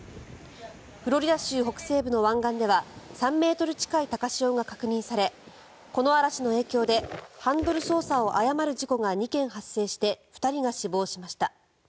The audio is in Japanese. フロリダ州北西部の湾岸では３ｍ近い高潮が確認されこの嵐の影響でハンドル操作を誤る事故が２件発生して２人が死亡しました。